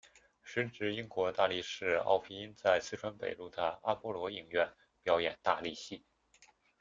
时值英国大力士奥皮音在四川北路的阿波罗影院表演大力戏。